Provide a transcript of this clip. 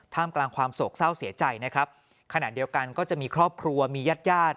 มกลางความโศกเศร้าเสียใจนะครับขณะเดียวกันก็จะมีครอบครัวมีญาติญาติ